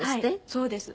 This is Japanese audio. そうです。